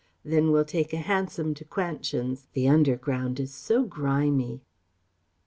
Then we'll take a hansom to Quansions: the Underground is so grimy."